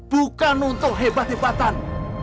bukan untuk hebat hebatan